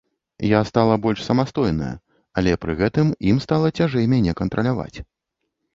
Я стала больш самастойная, але пры гэтым ім стала цяжэй мяне кантраляваць.